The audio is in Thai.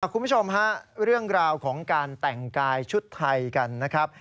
คุณผู้ชมฮะเรื่องราวของการแต่งกายชุดไทยกันนะครับ